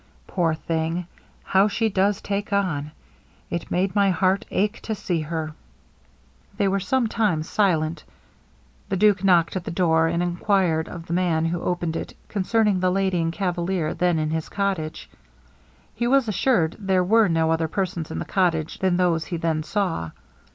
Poor thing, how she does take on! It made my heart ache to see her.' They were some time silent. The duke knocked at the door, and enquired of the man who opened it concerning the lady and cavalier then in his cottage. He was assured there were no other persons in the cottage than those he then saw.